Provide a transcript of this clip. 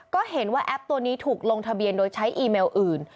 ก็เห็นว่าแอปตัวนี้ถูกลงทะเบียนโดยใช้อีเมลอื่น